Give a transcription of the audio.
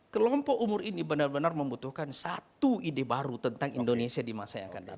kelompok umur ini benar benar membutuhkan satu ide baru tentang indonesia di masa yang akan datang